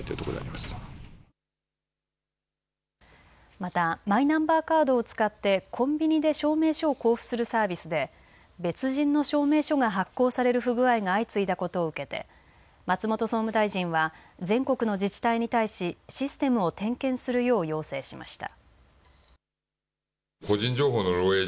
またマイナンバーカードを使ってコンビニで証明書を交付するサービスで別人の証明書が発行される不具合が相次いだことを受けて松本総務大臣は全国の自治体に対しシステムを点検するよう要請しました。